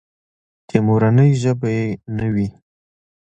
چې مورنۍ ژبه يې نه وي.